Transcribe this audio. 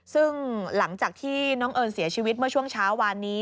ซึ่งหลังจากที่น้องเอิญเสียชีวิตเมื่อช่วงเช้าวานนี้